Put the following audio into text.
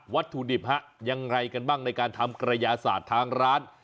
วัตถุดิบฮะยังไงกันบ้างในการทำกระยาศาสตร์ทางร้าน